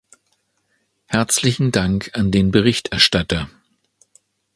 Herzlichen Dank an den Berichterstatter.